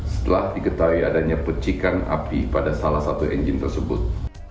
setelah diketahui adanya pecikan api pada salah satu engine tersebut